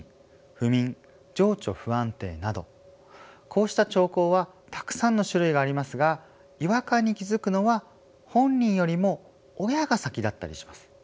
こうした兆候はたくさんの種類がありますが違和感に気付くのは本人よりも親が先だったりします。